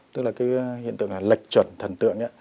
tức là cái hiện tượng là lệch chuẩn thần tượng đấy